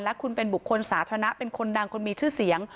และคุณเป็นบุคคลสาธารณะเป็นคนดังคุณมีชื่อเสียง